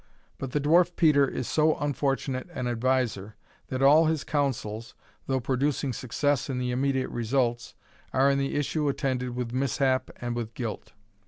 But the Dwarf Peter is so unfortunate an adviser, that all his counsels, though producing success in the immediate results, are in the issue attended with mishap and with guilt.